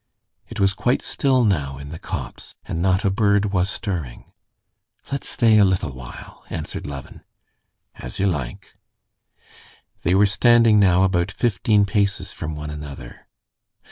It was quite still now in the copse, and not a bird was stirring. "Let's stay a little while," answered Levin. "As you like." They were standing now about fifteen paces from one another.